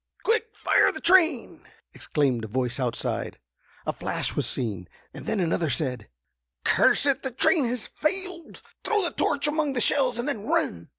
"Quick—fire the train!" exclaimed a voice outside. A flash was seen, and then another said: "Curse it, the train has failed. Throw the torch among the shells, and then run!"